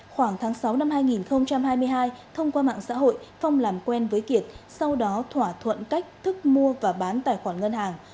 khoảng tháng sáu năm hai nghìn hai mươi hai thông qua mạng xã hội phong làm quen với kiệt sau đó thỏa thuận cách thức mua và bán tài khoản ngân hàng